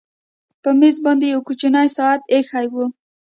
په مېز باندې یو کوچنی ساعت ایښی و